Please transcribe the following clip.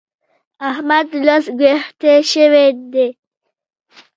احمد اوس ګږوېښتی شوی دی.